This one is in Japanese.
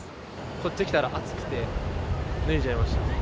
こっち来たら暑くて、脱いじゃいました。